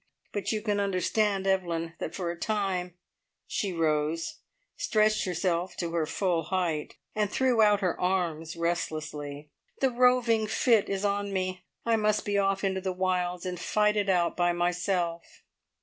But you can understand, Evelyn, that for a time " She rose, stretched herself to her full height, and threw out her arms restlessly. "The roving fit is on me. I must be off into the wilds and fight it out by myself."